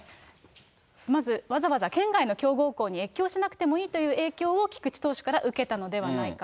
まずわざわざ県外の強豪校に越境しなくてもいいという影響を菊池投手から受けたのではないか。